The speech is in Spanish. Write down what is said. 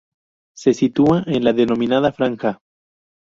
Se sitúa en la denominada Franja.